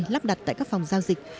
lắp đặt tại các phòng giao dịch